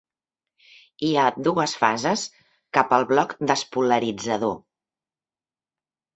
Hi ha dues fases cap al bloc despolaritzador.